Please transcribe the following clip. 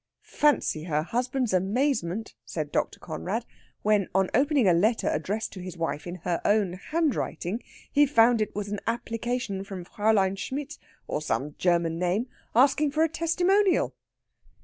"Fancy her husband's amazement," said Dr. Conrad, "when, on opening a letter addressed to his wife in her own handwriting, he found it was an application from Fräulein Schmidt, or some German name, asking for a testimonial!"